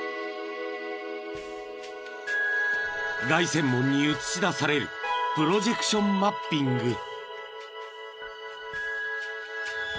［凱旋門に映し出されるプロジェクションマッピング］